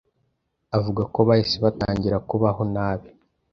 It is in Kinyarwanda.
Avuga ko bahise batangira kubaho nabi